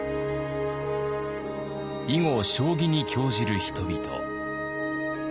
囲碁将棋に興じる人々。